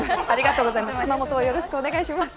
よろしくお願いします。